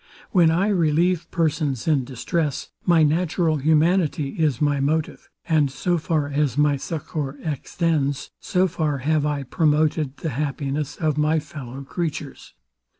When I relieve persons in distress, my natural humanity is my motive; and so far as my succour extends, so far have I promoted the happiness of my fellow creatures.